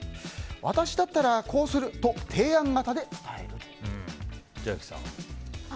私だったらこうすると千秋さん。